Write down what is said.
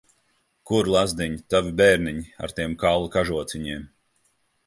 Kur, lazdiņ, tavi bērniņi, ar tiem kaula kažociņiem?